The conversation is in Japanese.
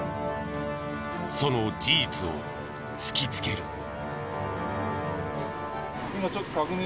その事実を突きつける。